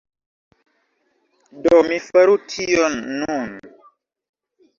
Do mi faru tion nun.